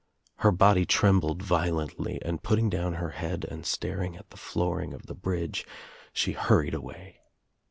Her body trembled violently and putting down her head and staring at he flooring of the bridge she hurried away.